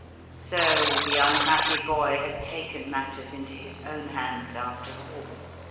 So the unhappy boy had taken matters into his own hands after all.